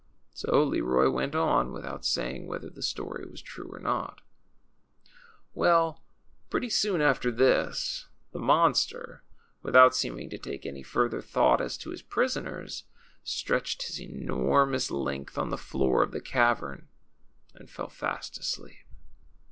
So Leroy went on, without saying whether the story was true or not : W ell, pretty soon after this, the monster, without no THE CHILDREN'S WONDER BOOK. seeming to take any further thought as to his prisoners, stretched his enormous length on the floor of the cavern and fell fast asleep.